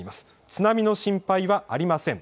津波の心配はありません。